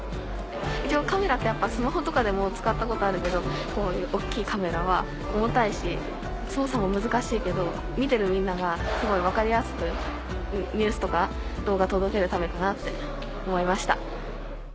一応カメラってスマホとかでも使ったことあるけどこういう大きいカメラは重たいし操作も難しいけど見てるみんながすごい分かりやすくニュースとか動画届けるためかなって思いました。